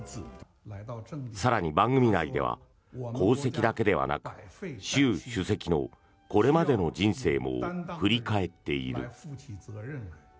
更に、番組内では功績だけではなく習主席のこれまでの人生も振り返っている。